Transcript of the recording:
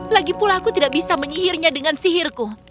lagipula aku tidak bisa menyihirnya dengan sihirku